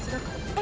え⁉